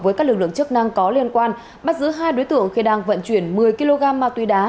với các lực lượng chức năng có liên quan bắt giữ hai đối tượng khi đang vận chuyển một mươi kg ma túy đá